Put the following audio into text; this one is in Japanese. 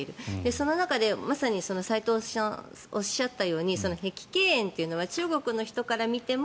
その中で、まさに齋藤さんがおっしゃったように碧桂園というのは中国の人から見ても